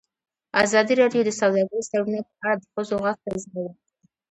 ازادي راډیو د سوداګریز تړونونه په اړه د ښځو غږ ته ځای ورکړی.